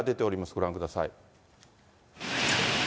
ご覧ください。